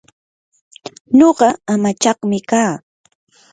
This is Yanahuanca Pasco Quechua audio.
nuqa amachaqmi kaa.